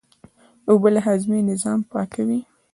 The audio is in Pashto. اوبه د هاضمې نظام پاکوي